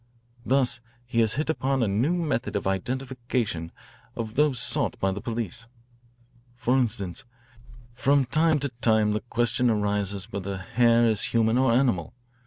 Thus he has hit upon a new method of identification of those sought by the police. For instance, from time to time the question arises whether hair is human or animal.